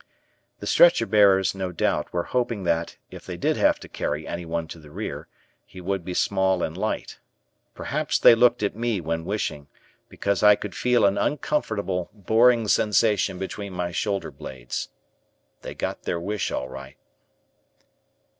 The stretcher bearers, no doubt, were hoping that, if they did have to carry anyone to the rear, he would be small and light. Perhaps they looked at me when wishing, because I could feel an uncomfortable, boring sensation between my shoulder blades. They got their wish all right.